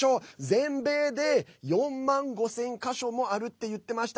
全米で４万５０００か所もあるって言っていました。